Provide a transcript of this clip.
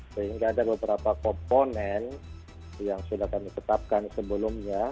sehingga ada beberapa komponen yang sudah kami tetapkan sebelumnya